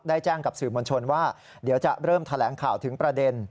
แจ้งกับสื่อมวลชนว่าเดี๋ยวจะเริ่มแถลงข่าวถึงประเด็น